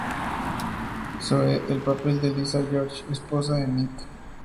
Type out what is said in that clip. Zoe, el papel de Lisa George, esposa de Nick.